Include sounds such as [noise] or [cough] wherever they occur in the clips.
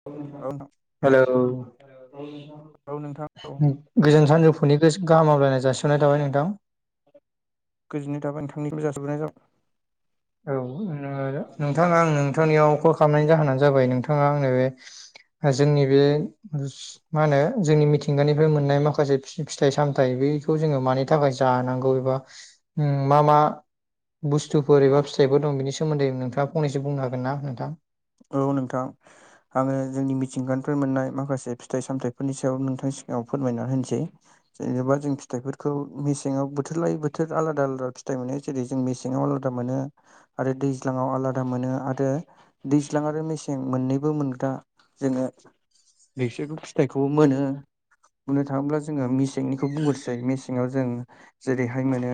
[unintelligible] Hello [unintelligible] गोजोन सानजौफोरनि गोसो गाहाम हामलायनाय जासि [inaudible] थाबाय नोंथां गोजोननाय थाबाय नोंथांनिफ्राय जाजोबोनाय जा औ नोंथाङा आं नोंथांनियाव कल खालामनायनि जाहोनानो जाबाय नोंथाङा आंनो बे जोंनि बे मा होनो? जोंनि मिथिंगानिफ्राय मोननाय माखासे फिथाइ सामथाय बे खौ‌ मानि थाखाय जानांगौ एबा, उ मा मा बसतूफोर एबा फिाइबो दं बिनिोमोन्दैोंथाङा फनसो बुंनो हागोन ना नोंथां? औ नोंथां। आङो जोंनि मिथिंगानिफ्राय मोननाय माखासे फिथाइ सामथायाइफोरनि सायाव नोंथांनि सिगाङाव फोरमायनानै होनसै। जेनेबा जों फिथाइफोरखौ मेसेंवाउ बोथोर लायै बोथोर आलादा आलादा फिथाइ मोननाय जेरै जों मेसेङाव आलादा मोनो आरो दैज्लाङाव आलादा मोनो, आरो दैज्लां आरो मेसें मोननैबो मोनग्रा जोङो बेसोरबो फिथाइखौबो मोनो। बुंनो थाङोब्ला जोङो मेसेंनिखौ बुंग्रोसै मेसेंवाउ जों जेरैहाय मोनो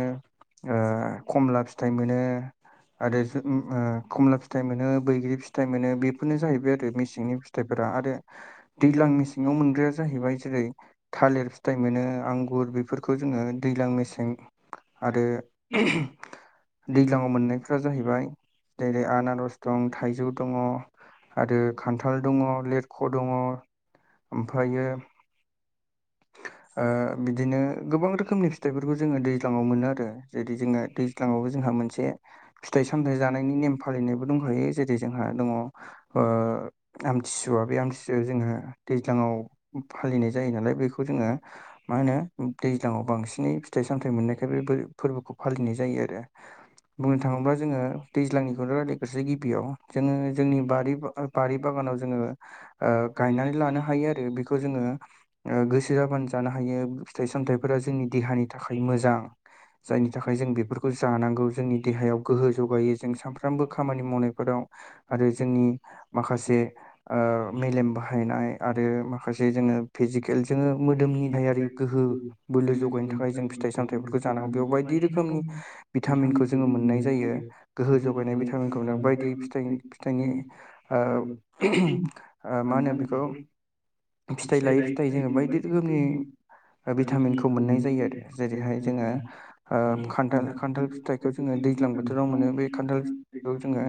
खमला फिथाइ मोनो। आरो खमला फिथाइ मोनो बैग्रि फिथ फिथायाइ मोनो बेफोरनो जाहैबाय आरो मेसेंनि फिथाइफोरा, आरो दैज्लां मेसेङाव मोनग्राया जाहैबाय जेरै थालिर फिथाइ मोनो, आंगुर बे बेफोरखौ जोङो दैज्लां मेसें आरो दै्लाङाव मोननायफोरा जाहैबाय जेरै आनारस दं थाइजौ दङ आरो खान्थाल दङ लिरख' दङ ओमफ्रायो [unintelligible] बिदिनो गोबां रोखोमनि फिथाइफोरखौ जोङो दैज्लाङाव मोनो आरो। जेरै जोङो दै सि्लाांावबो जोंहा मोनसे फिथाइ सामथायाइ जानायनि नेम फालिनायबो दंखायो, जेरै जोंहा दङ आमथिसुवा बे आमथिसुवायाव जों दैज्लाङाव फालिनाय जायो नालाय बेखौ जोङो मा होनो? दैज्लाङाव बांसिनै फिथाइ सामथायाइ मोननायखाय बे फोरबोखौ फालिनाय जायो आरो। बुंनो थाङोब्ला जोङो दैज्लांनिखौनो रायज्लायग्रोसै गिबियाव। जोङो जोंनि बारि बारि बागानाव जोङो ओ गायनानै लानो हायो आरो बेखौ जोङो ओ गोसो जाबानो जानो हायो फिथाइ सामथाइफोरा जोंनि देहानि थाखाय मोजां। जायनि थाखाय जों बेफोरखौ जानांगौ जोंनि देहायाव गोहो जगायो जों सानफ्रोमबो खामानि मावनायफोराव आरो जोंनि माखासे ओ मेलेम बाहायनाय आरो मा माखासे जोङो फिजिकेल जोङो मोदोमनि दहायारि गोहो बोलो जगायनो थाखाय जों फिथाइ सामथायाइफोरखौ जानांगौ बेयाव बायदि रोखोमनि भिटामिनखौ जोङो मोननाय जायो गोहो जगायनाय भिटामिनखौ नो बायदि फिथाइनि फिथाइनि ओ मा होनो बे हेल' फिथाइ लायै फिथाइ जोङो बायदि रोखोमनि भिटामिनखौ मोननाय जायो आरो जेरैहाय जोङो ओ खान्थाल खान्थाल फिथ जोङो दैज्लां बोथोराव मोनो बे खान्थालखौ जोङो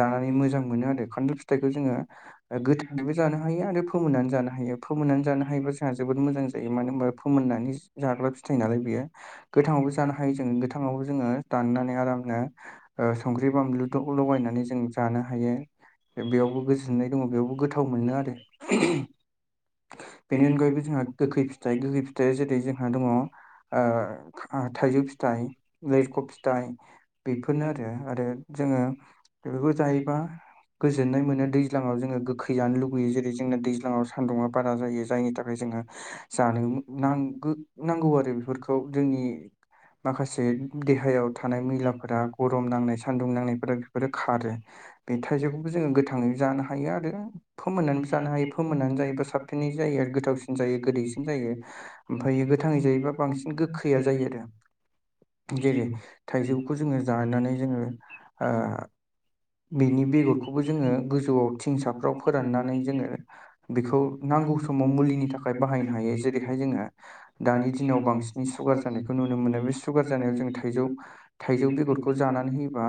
जानानै मोजां मोनो आरो खान्थाल फिथाइखौ जोङो ओ गोथाङैबो जानो हायो आरो फोमोननानै जानो हा हायो फोमोननानै जानो हायोबा जोंहा जोबोद मोजां जायो मानो होनबा फोमोननानै जाग्रा फिथाइ नालाय बियो गोथाङावबो जानो हायो जोङ गोथांवबो जोङो दाननानै आरामनो ओ संख्रि बानलु लगायनानै जों जानो हायो बेयावबो गोजोननाय दङ बेयावबो गोथाव मोनो आरो [unintelligible] बेनि अनगायैबो जोंहा गोखै फिथाइ गोखै फिथाइया जेरै जोंहा दङ ओ थाइजौ फिथाइ लिरख' फिथाइ बेफोरनो आरो आरो जोङो बेफोरखौ जायोबा गोजोन्नाय मोनो दैज्लाङाव जोङो गोखै जानो लुुबैयो जेरै जोङो दैज्लाङाव सान्दुङा बारा जायो जायनि थाखाय जोङो जानो नांग-नांगौ आरो बेफोरखौ जोंनि माखासे देहायाव थानाय मैलाफोरा गरम नांनाय सान्दुं नांनायफोरा बेफोरो खारो बे थाइजौखौबो जोङो गोथाङै जानो हायो आरो फोमोननानैबो जानो हायो फोमोननानै जायोबा साबसिनै जायो आरो गोथावसिन जायो गोदैसिन जायो ओमफ्रायायो गोथाङै जायोबा बांसिन गोखैया जायो आरो जेरै थाइजौखौ जोङो जानानै जोङो ओ बेनि बेगरखौबो जोङो गोजौआव थिंसाफ्राव फोराननानै जोङो बेखौ नांगौ समाव मुलिनि थाखाय बाहायनो हायो जेरैहाय जोङो दानि दिनाव बांसि नि सुगार जानायखौ नुनो मोनो बे सुगार जानायाव जों थाइजौ थाइजौ बेगरखौ जानानै होयोबा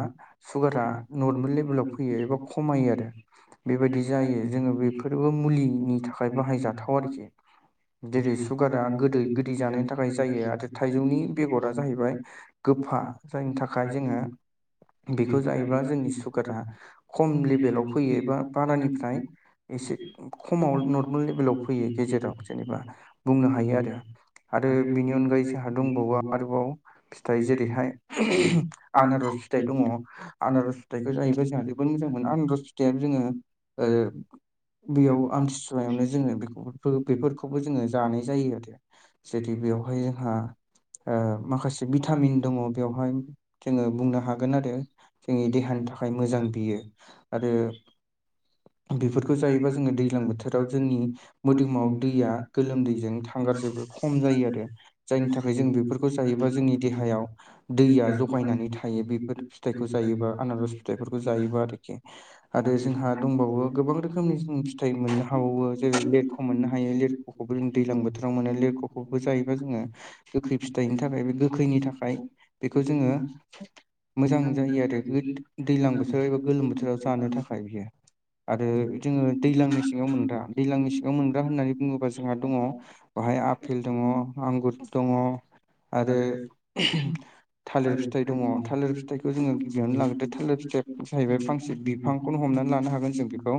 सुगारा नरमेल लेभेलाव फैयो एबा खमायो आरो बेबायदि जायो जोङो बेफोरबो मुलिनि थाखाय बाहायजाथाव आरोखि जेरै सुगारा गोदै गोदै जानायनि थाखाय जायो आरो थाइजौनि बेगरा जाहैबाय गोफा जायनि थाखाय जोङो बेखौ जायोब्ला जोंनि सुगारा खम लेभेलाव फैयो एबा बारानिफ्राय एसे खमाव नर्मेल लेभेलाव फैयो गेजेराव जेनेबा बुंनो हायो आरो आरो बिनि अनगायै जोंहा दंबावो आरोबाव फिथाइ जेरैहाय आनारस फिथाइ दङ आनारस फिथाइखौ जाहैबाय जोंहा जोबोद मोजां मोनो आनारस फिथाइआ जोङो ओ बेयाव आमतिसुवायावनो जोङो बे बेफोरखौबो जोङो जानाय जायो आरो। जदि बेवहाय जोंहा ओ माखासे भिटामिन दङ बेवहाय जोङो बुंनो हागोन आरो जोंनि देहानि थाखाय मोजां बियो आरो बेफोरखौ जों जायोबा जोङो दैज्लां बोथोराव जोंनि मोदोमाव दैया गोलोमदैजों थांगार जबो खम जायो आरो जायनि थाखाय जों बेफोरखौ जायोबा जोंनि देहायाव दैया जगायनानै थायो बेफोर फिथाइखौ जायोबा आनारस फिथाइफोरखौ जायोबा आरोखि आरो जोंहा दंबावो गोबां रोखोम रोखोमनि जों फिथाइ मोननो हाबावो जेरै मोननो हायो लिरखुखौबो जों दैलां बोथोराव मोनो लिरख'खौबो जायोबा जोङो गोखै फिथाइनि थाखाय बे गोखैनि थाखाय बेखौ जोङो मोजां जायो आरो गो- दैज्लां बोथोराव एबा गोलोम बोथोराव जानो थाखाय बियो। आरो जोङो दैज्लांनि मेसेङाव मोनग्रा दैज्लां मेसेङाव मोनग्रा होननानै बुङोबा जोंहा दङ। बेहाय आफेल दङ आंगुर दङ आरो थालिर फिथाइ दङ। थालिर फिथाइखौ जोङो गिबियावनो लाग्रदो थालिर फिथाइ जाहैबाय फांसे बाफांखौनो हमनानै लानो हागोन जों बेखौ।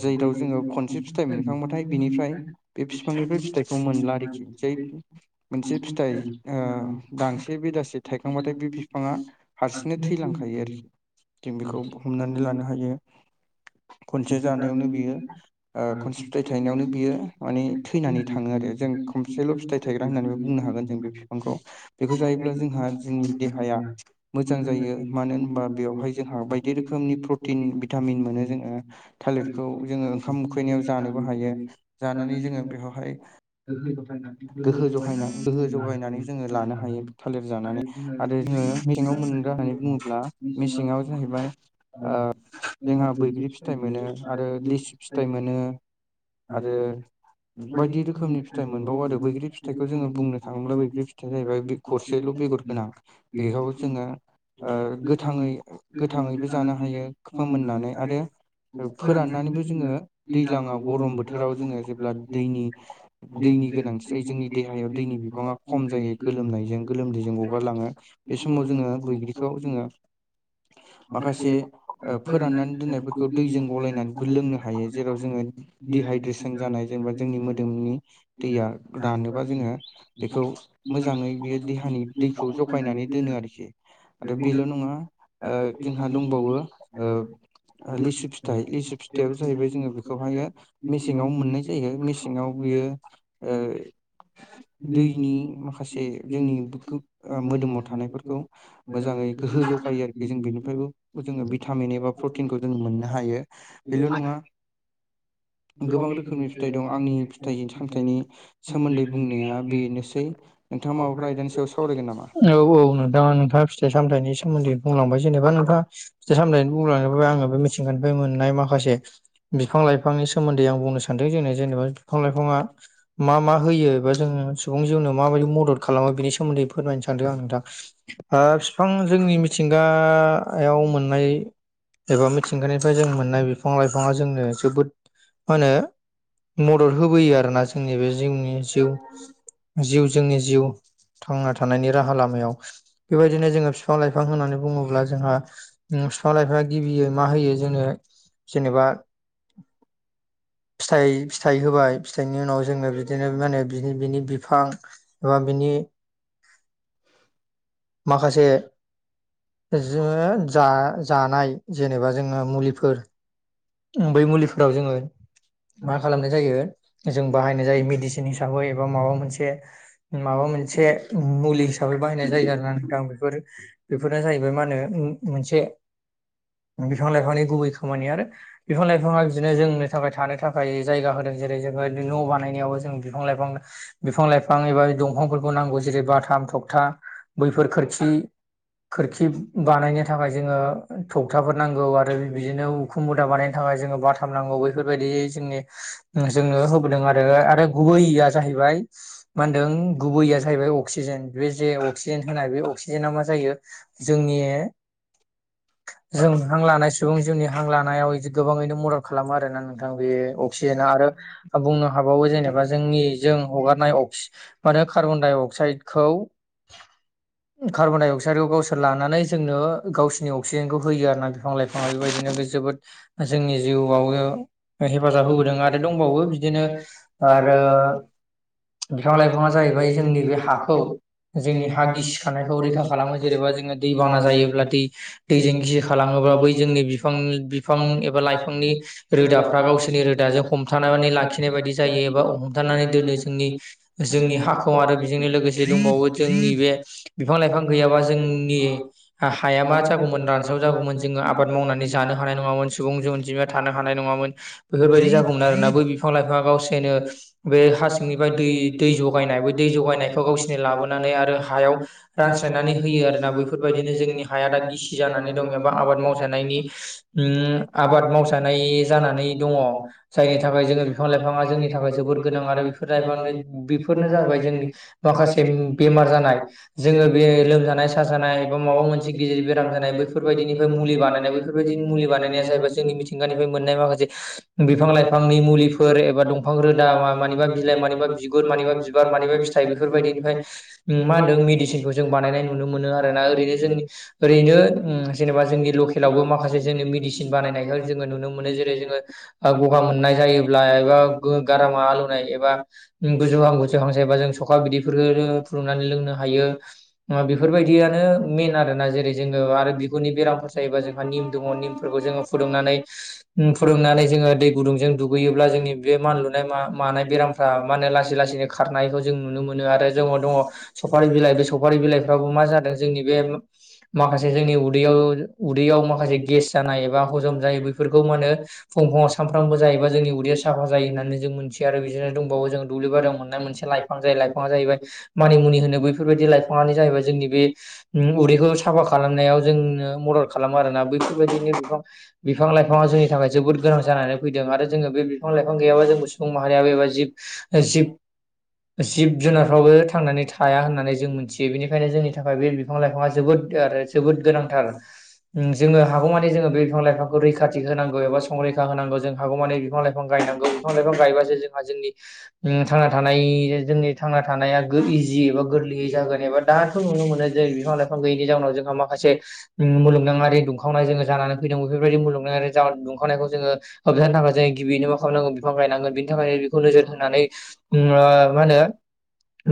जै दाव जोङो खनसे फिथाइ मोनखांबाथाय बिनिफ्राय बे बिफांनिफ्राय फिथायाइखौ मोनला आरोखि जै मोनसे फिथाइ दांसे बिदांसे थायखांबाथाय बे बिफाङा हारसिंनो थैलांखायो आरोखि। जों बेखौ हमनानै लानो हायो। खनसे जानायावनो बियो ओ खनसे फिथाइ थायनायावनो बियो माने थैनानै थाङो आरो जों खनसेल' फिथाइ थायग्रा होननानैबो बुंनो हागोन जों बे बिफांखौ बेखौ जायोब्ला जोंहा जोंनि देहाया मोजां जायो मानो होनबा बेवहाय जोंहा बायदि रोखोमनि प्रटिन भिटामिन मोनो जोङो। [unintelligible] [unintelligible] गोहो जगायना गोहो जगायनानै जोङो लानो हायो थालिर जानानै आरो जोङो [unintelligible] बुङोब्ला मेसेङाव जाहैबाय जोंहा बैग्रि [unintelligible] फिथाइ मोनो आरो लिसि फिथाइ मोनो। आरो बायदि रोखोमनि फिथाइ मोनो। र' आरो बैग्रि फिथाइखौ जोङो बुंनो थाङोब्ला बैग्रि फिथाइआ जाहैबाय बे गरसेल' बेगर गोनां। बेयाव जोंहा ओ गोथाङै गोथाङैबो जानो हायो फोमोननानै आरो फोराननानैबो जोङो दैलाङाव गरम बोथोराव जोङो जेब्ला दैनि- दैनि गोनांथि जायो जोंनि देहायाव दैनि बिबाङा खम जायो गोलोमनायजों गोलोमदैजों गगारलाङो। बे समाव जोङो बैग्रिखौ जोङो माखासे फोराननानै दोननाय [unintelligible] दैजों गलायनानैबो लोंनो हायो जेराव जोङो दिहाइद्रेसन जानाय जेनेबा जोंनि मोदोमनि दैया रानोबा जोङो बेखौ मोजाङै बेयो देहानि दै -खौ जगायनानै दोनो आरोखि। आरो बेल' नङा जोंहा दंबावो लिसु फिथाइ लिसु फिथाइआ जाहैबाय जोङो बेखौहायो मेसेङाव मोननाय जायो मेसेङाव बियो ओ दैनि माखासे जोंनि मो-मोदोमाव थानायफोरखौ मोजाङै गोहो जगायो आरोखि जों बेनिफ्रायबो जोङो भिटामिन एबा प्रटिनखौ जों मोननो हायो बेल' नङा गोबां रोखोमनि फिथाइ दं आंनि फिथाइ- सामथाइनि सोमोन्दै बुंनाया बेनोसै नोंथाङा माबाफोर आयदानि सायाव सावरायगोन नामा? औ औ नोंथाङा नोंथाङा फिथाइ- सामथायनि सोमोन्दै बुंलांबाय जेनेबा नोंथाङा फिथाइ- सामथायनि बुंलां आं बे मिथिंगानिफ्राय मोननाय माखासे बिफां -लाइफांनि सोमोन्दै आं बुंनो सानदों जोंनो जेनेबा बिफां -लाइफाङा मा -मा होयो? जों सुबुं जिउनो माबायदि मदद खालामो बिनि सोमोन्दै फोरमायनो सानदों आं नोंथां। बिफां जोंनि मिथिंगायाव मोननाय एबा मिथिंगानिफ्राय जों मोननाय बिफां- लाइफाङा जोंनो जोबोद मा होनो मदद होबोयो आरोना जोंनि बे जिउनि जिउ जिउ जोंनि जिउ थांना थानायनि राहा लामायाव बेबायदिनो जोङो बिफां- लाइफां बिफां होननानै बुङोब्ला जोंहा बिफां -लाइफां सिबियो मा होयो जोनो जेनेबा फिथाइ, फिथाइ होबाय फिथाइनि उनाव जोंनो बिदिनो मा होनो बि बिनि बिफां एबा बिनि माखासे जोङो जा- जानाय जेनेबा जोङो मुलिफोर बै मुलिफोराव जोङो मा खालामनाय जायो जों बाहायनाय जायो मेडिसिन हिसाबै एबा माबा मोनसे माबा मोनसे मुलि हिसाबै बाहायनाय जायो आर ना नोंथां बेफोर बेफोरनो जाहैबाय मा होनो मोनसे बिफां लाइफांनि गुबै खामानि आरो बिफां लाइफाङा बिदिनो जोंनो थाबाय थानो थाखाय जायगा होदों जेरै जोङो न' बानायनायावबो जों बिफां लाइफां बिफां लाइफां एबा दंफांफोरखौ नांगौ जेरै बाथाम थखथा बैफोर खोरखि खोरखि बानायनो थाखाय जोङो थखथाफोर नांगौ आरो बिदिनो उखुम मुदा बानायनो थाखाय जोङो बाथाम नांगौ बेफोरबायदिय जोंनि ओ जोङनो होबोदों आरो आरो गुबैया जाहैबाय मा होनदों गुबैया जाहैबाय अक्सिजेन बे जे अक्सिजेन होनाय बे अक्सिजेना मा जायो जोंनि जों हां लानाय सुबुं जिउनि हां लानायाव बिदि गोबाङैनो मदद खालामो आरोना नोंथां बे मिथियोना आरो बुंनो हाबावो जेनेबा जोंनि जों हगारनाय अकसि माने कार्बन डाइ अक्साइदखौ कार्बन डाइ अक्साइडखौ गावसोर लानानै जोंनो गावसिनि अक्सिजेनखौ होयो आर ना बिफां लाइफाङा बेबायदिनो जोबोद जोंनि जिउआवबो हेफाजाब होबोदों आरो दंबावो बिदिनो आरो बिफां लाइफाङा जाहैबाय जोंनि बे हाखौ जोंनि हा गिसिखानायखौ रैखा खालामो जेनेबा जोङो दै बाना जायोब्ला दै [unintelligible] लाइफांनि रोदाफ्रा गावसोरनि रोदाजों हमथानानै लाखिनाय बायदि जायो एबा हमथानानै दोनो जोंनि जोंनि हाखु आरो बेजोंनो लोगोसे दंबावो जोंनि बे बिफां लाइफां गैयाबा जोंनि हाया मा जागौमोन रानस्राव जागौमोन जोङो आबाद मावनानै जानो हानाय नङामोन सुबुं सुबुं अनजिमाया थानो हानाय नङामोन बेफोरबायाददि जागौमोन आरोोना बै बिफां लाइफाङा गावसनो बे हा सिंनिफ्राय दै दै जगायनाय बे दै जगायनायखौ गावसिनि लाबोनानै आरो हायाव रानस्रायनानै होयो आर ना बैफोरबायदिनो जोंनि हाया दा गिसि जानानै दं एबा आबाद मावजानायनि आबाद मावसानाय जानानै दङ जायनि थाखाय जोङो बिफां लाइफाङा जोंनि थाखाय जोबोद गोनां आरो बेफोरनो जाबैाय जोंनि माखासे बेमार जानाय जोङो बे लोमजानाय साजानाय एबा माबा मोनसे गिदिर बेराम जानाय बैफोरबायदिनिफ्राय मुलि बानायनाय बैफोरबायदिनि मुलि बानायनाया जायोबा ज' जोंनि मिथिंगानिफ्राय मोननाय माखासे बिफां- लाइफांनि मुलिफोर एबा दंफां रोदा मानिबा बिलाइ मा बिगुर मानिबा बिबार मानिबा फिथाय बिसोर बायदिनिफाय मा होनदों मिदिसिनखौ जों बानायनाय नुनो मोनो आरो ना जों ओरैनो ओम' जेनेबा जोंनि लकेलयावबो माखासे जोंनि मिदिसिन बा बानायनायखाय जोङो नुनो मोनो जेरै जोङो गगा मोननाय जायोब्ला एबा गारामा आलौनाय एबा गोजौहां-गोुजुहां जायोबा जों सखा बिदैफोरखौ फुदुंनानै लोंनो हायो। बेफोरबायदियानो मेन आरोना जेरै जोङो आरो बिहुरनि बेरामफोर जायोबा जोंहा निम दङ निमफोर जोङो फुदुंनानै उ फुदुंनानै जोङो दै गुदुंजों दुगैयोब्ला जोंनि बे मान लुनाय मानाय बेराम ओ मा होनो लासै लासैनो खारनायखौ जों नुनो मोनो आरो जोंङाव दङ सफारि बिलाइ बे सफारि बिलाइफ्राबो मा जादों जोंनि बे माखासे जोंनियाव माखासे गेस जानाय एबा हजम जायो बेैफोरखौ मा होनो फुं फुङाव सानफ्रामबो जायोबा जोंनि उदैया साफा जायो होननानै जों मोनथियो। आरो बिदिनो दंबावो जों दुब्लि बाव मोननाय मोनसे लाइफां जाय लाइफाङा जाहैबाय मानिमुनि होनो बैफोरबायदि लाइफां बिफांआनो' जाहैबाय जोंनि बे ओ उदैखौ साफा खालामनायाव जोंनो मदद खालामो आरोना बैफोरबायदिनो बिफां बिफां लाइफाङा जोंनि थाखाय जोबोद गोनां जानानै फैदों आरो जोङो बे बिफां लाइफां गैयाबा जों सुबुं माहारियाबो एबा जिब ओ जिब जिब जुनारफ्रावबो थांनानै थाया होननानै जों मिथियो बेनिखायनो जोंनि थाखाय बे बिफां लाइफाङा जोबोद आरो जोबोद गोनांथार उम जोङो हागौमानि जोंङो बे बिफां लाइफांखौ रैखाथि होनांगौ एबा संरैखा होनांगौ जों हागौमानि बिफां लाइफां गायनांगौ बिफां लाइफां गायबासो जोंहा जोंनि ओम थांना थानाय जोंनि थांना थानाया इजि एबा गोरलैयै जागोन एबा दाथ' नुनो मोनो जे बिफां लाइफां गैय नि जाउनाव जोंहा माखासे मुलगदाङारि दुंखावनाय जोङो जानानै फैदों। बेफोरबायदि मुलगनाङारि जावननि दुंखांखौ जोङो होबजानो थाखाय जों गिबियनो मा खालामनांगौ बिफां गायनांगोन बिनि थाखाय बेखौ नोजोर होनानै ओम मा होनो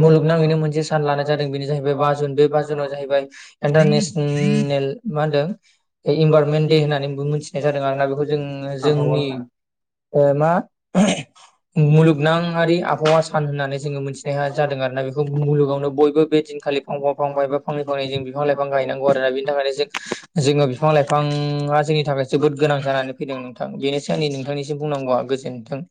मुलुगनाङैनो मोनसे सान लानाय जादों बेनो जाहैबाय बा जुन बे बा जुना जाहैबाय इन्टारनेसनेल मा होनदों इनभाररनमेन्ट दे होनना मोनथिनाय जादों आरोना बेखौ जोङो जोंनि ओ मा मुलुगनङारि आबहावा सान होननानै जोङो मिथिनाया जादों आरोना बेखौ मुलुगावनो बयबो बे दिनखालि फांफा फांबाय बा फांनै फांनै जोङो बिफां-लाइफां गायनांगौ आरोना बिनि थाखायनो जों जोङो बिफा-लाइफाङा जोंनि थाखाय जोबोद गोनां जानानै फैदों नोंथां बेनोसै आंनि नोंथांनिसिम बुंनांगौआ गोजोन थों।